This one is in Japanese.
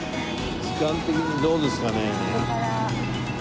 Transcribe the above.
時間的にどうですかね。